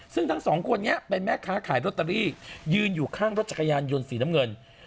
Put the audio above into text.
ซึ่งทั้งสองคนนี้เป็นแม่ค้าขายลอตเตอรี่ยืนอยู่ข้างรถจักรยานยนต์สีน้ำเงิน